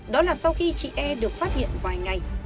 đó là sau khi chị e được phát hiện vài ngày